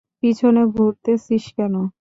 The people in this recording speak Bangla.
পিছনে ঘুরতেছিস কেন?